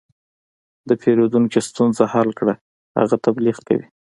د پیرودونکي ستونزه حل کړه، هغه تبلیغ کوي.